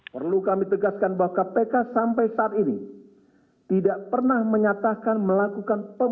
perlu kami tegaskan bahwa kpk sampai saat ini tidak pernah menyatakan melakukan